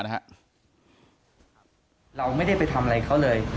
เราไม่ได้ไปทำอะไรเขาเลย